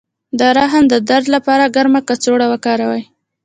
د رحم د درد لپاره ګرمه کڅوړه وکاروئ